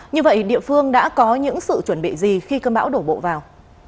như vậy địa phương đã có những sự chuẩn bị gì khi cơn bão đổ bộ vào